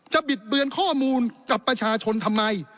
บิดเบือนข้อมูลกับประชาชนทำไม